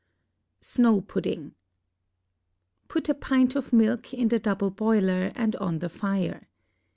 SNOW PUDDING Put a pint of milk in the double boiler and on the fire.